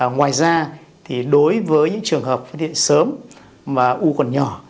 ngoài ra thì đối với những trường hợp phát hiện sớm mà u còn nhỏ